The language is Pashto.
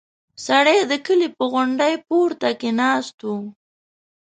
سړی د کلي په غونډۍ پورته کې ناست و.